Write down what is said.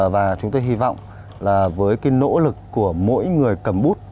và chúng tôi hy vọng là với cái nỗ lực của mỗi người cầm bút